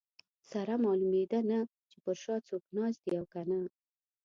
سره معلومېده نه چې پر شا څوک ناست دي او که نه.